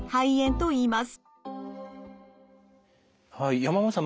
山本さん